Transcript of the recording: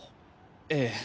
ええ。